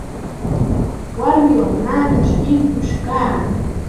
Warmiwan naanichaw tinkush kaa.